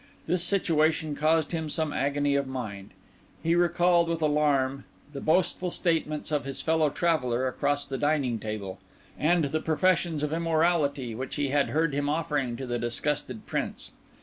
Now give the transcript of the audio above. This situation caused him some agony of mind. He recalled with alarm the boastful statements of his fellow traveller across the dining table, and the professions of immorality which he had heard him offering to the disgusted Prince.